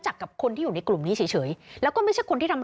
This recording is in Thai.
กับคนที่อยู่ในกลุ่มนี้เฉยเฉยแล้วก็ไม่ใช่คนที่ทำ